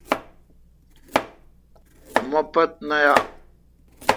مو پت نہ یا۔